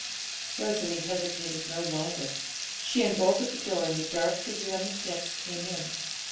Rosalie hesitated no longer. She unbolted the door, and the dark figure on the steps came in.